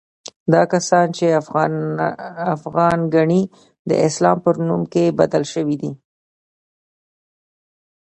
دا کسان چې افغان ګڼي، د اسلام پر نوم کې بدل شوي دي.